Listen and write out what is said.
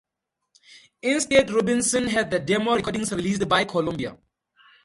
Instead Rubinson had the demo recordings released by Columbia.